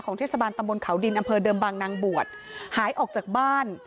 เทศบาลตำบลเขาดินอำเภอเดิมบางนางบวชหายออกจากบ้าน